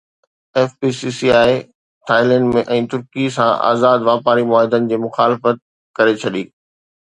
F P C C I Thailand ۽ ترڪي سان آزاد واپاري معاهدن جي مخالفت ڪري ڇڏي